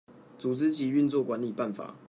組織及運作管理辦法